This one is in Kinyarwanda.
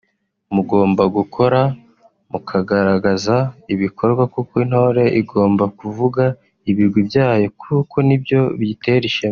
mugomba gukora mukagaragaza ibikorwa kuko intore igomba kuvuga ibigwi byayo kuko ni byo biyitera ishema